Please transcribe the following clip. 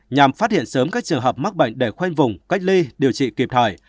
nhằm phát hiện sớm các trường hợp mắc bệnh để khoanh vùng cách ly điều trị kịp thời